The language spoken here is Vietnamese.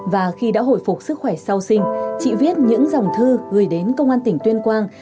và khi đã hồi phục sức khỏe sau sinh chị viết những dòng thư gửi đến công an tỉnh tuyên quang